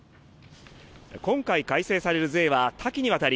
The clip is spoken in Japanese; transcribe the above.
今回改正される税は多岐にわたり